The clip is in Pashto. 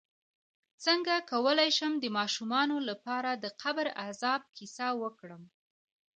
څنګه کولی شم د ماشومانو لپاره د قبر عذاب کیسه وکړم